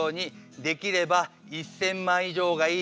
できれば１，０００万以上がいいです。